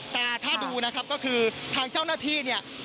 แต่ถ้าดูนะครับก็คือทางเจ้าหน้าที่เนี่ย